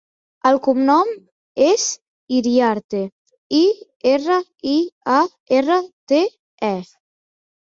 El cognom és Iriarte: i, erra, i, a, erra, te, e.